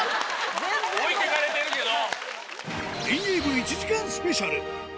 置いてかれてるけど。